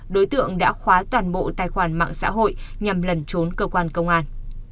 đối tượng đã khóa toàn bộ tài khoản mạng xã hội nhằm lẩn trốn cơ quan công an